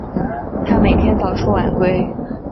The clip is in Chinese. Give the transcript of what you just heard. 他每天早出晚归